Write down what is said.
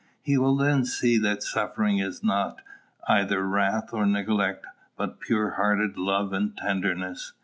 He will then see that suffering is not either wrath or neglect, but pure hearted love and tenderness.